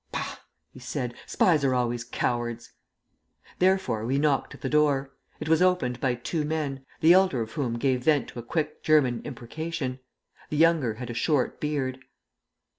"Bah!" he said. "Spies are always cowards!" Therefore we knocked at the door. It was opened by two men, the elder of whom gave vent to a quick German imprecation. The younger had a short beard.